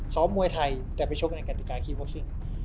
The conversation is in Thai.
ซ้อมมวยไทยแต่ไปชกในกฎิกาคลิปโพสซิ่ง